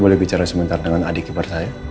boleh bicara sementara dengan adik kibar saya